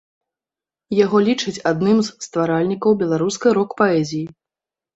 Яго лічаць адным з стваральнікаў беларускай рок-паэзіі.